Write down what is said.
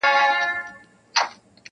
لاس یې مات وار یې خطا ګذار یې پوچ کړې,